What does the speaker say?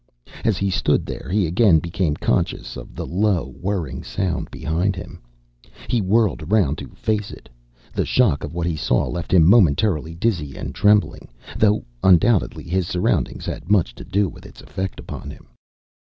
As he stood there he again became conscious of the low, whirring sound, behind him. He whirled around to face it. The shock of what he saw left him momentarily dizzy and trembling though undoubtedly his surroundings had much to do with its effect upon him.